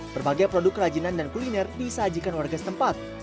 berbagai produk kerajinan dan kuliner disajikan warga setempat